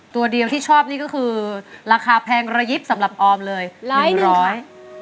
ตัวเดียวที่ชอบนี่ก็คือราคาแพงระยิบสำหรับออมเลยหลายร้อย